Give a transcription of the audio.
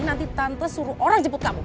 nanti tante suruh orang jemput kamu